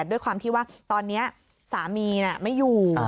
ด้วยความที่ว่าตอนนี้สามีไม่อยู่